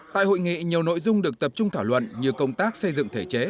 tại hội nghị nhiều nội dung được tập trung thảo luận như công tác xây dựng thể chế